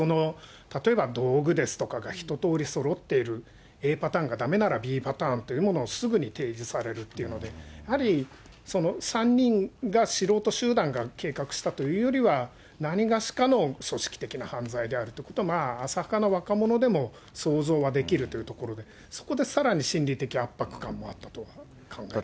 例えば道具ですとかが、ひととおりそろっている、ＡパターンがだめならＢパターンというものをすぐに提示されるっていうので、やはりその３人が、素人集団が計画したというよりは、なにがしかの組織的な犯罪であるということは、浅はかな若者でも想像はできるというところで、そこでさらに心理的圧迫感もあったと考えられます。